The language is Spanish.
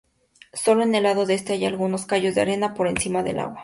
Sólo en el lado este, hay algunos cayos de arena por encima del agua.